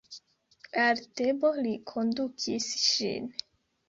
Al Tebo li kondukis ŝin.